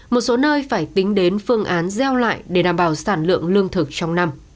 một số nơi phải tính đến phương án gieo lại để đảm bảo sản lượng lương thực trong năm